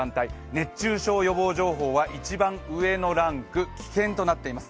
熱中症予防情報は一番上のランク、危険な状態となっています。